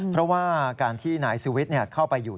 เพราะว่าการที่นายสุวิทย์เข้าไปอยู่